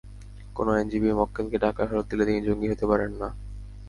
কোনো আইনজীবী মক্কেলকে টাকা ফেরত দিলে তিনি জঙ্গি হতে পারেন না।